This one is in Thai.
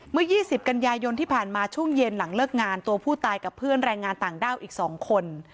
เมื่อ๒๐กันยายนที่ผ่านมาช่วงเย็นหลังเลิกงานตัวผู้ตายกับเพื่อนแรงงานต่างด้าวอีก๒คน